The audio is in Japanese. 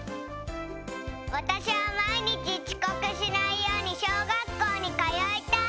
わたしはまいにちちこくしないようにしょうがっこうにかよいたい。